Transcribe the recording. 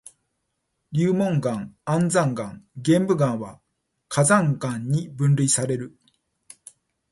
流紋岩、安山岩、玄武岩は火山岩に分類される。